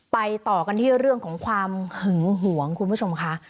ต่อกันที่เรื่องของความหึงหวงคุณผู้ชมค่ะ